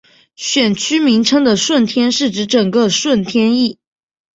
选区名称的顺天是指整个顺天邨。